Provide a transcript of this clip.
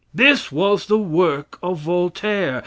This was the work of Voltaire.